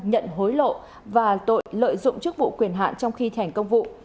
nhận hối lộ và tội lợi dụng chức vụ quyền hạn trong khi thi hành công vụ